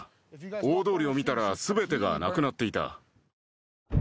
大通りを見たら、すべてがなくなっていた。